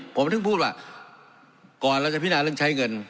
ผมถึงพูดว่าก่อนเราจะพินาเรื่องใช้เงิน